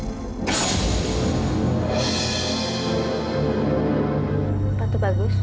apaan tuh bagus